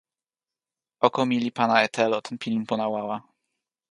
oko mi li pana e telo tan pilin pona wawa.